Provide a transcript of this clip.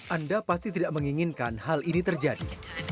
anda pasti tidak menginginkan hal ini terjadi